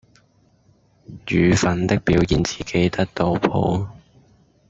與奮的表現自己得到寶